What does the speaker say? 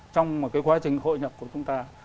trong một cái quá trình hội nhập của chúng ta